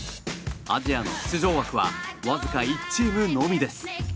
アジアの出場枠はわずか１チームのみです。